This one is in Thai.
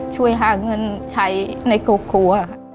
ช่วยหาเงินใช้ในครอบครัว